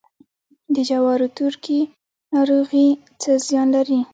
د جوارو تورکي ناروغي څه زیان لري؟